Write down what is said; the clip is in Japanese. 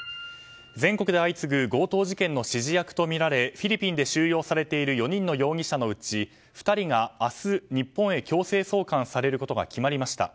全国で相次ぐ強盗事件の指示役とみられフィリピンで収容されている４人の容疑者のうち２人が明日、日本へ強制送還されることが決まりました。